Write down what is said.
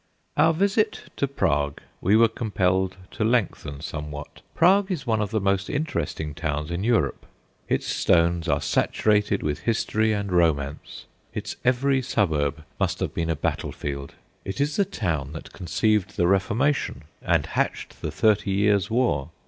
Our visit to Prague we were compelled to lengthen somewhat. Prague is one of the most interesting towns in Europe. Its stones are saturated with history and romance; its every suburb must have been a battlefield. It is the town that conceived the Reformation and hatched the Thirty Years' War.